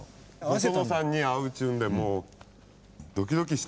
細野さんに会うっちゅうんでもうドキドキしてね。